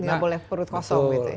tidak boleh perut kosong gitu ya